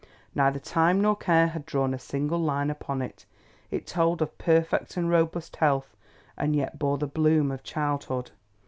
Neither time nor care had drawn a single line upon it; it told of perfect and robust health and yet bore the bloom of childhood.